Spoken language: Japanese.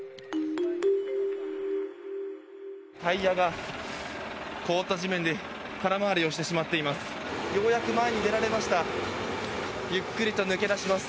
タイヤが凍った地面で空回りをしてしまっています。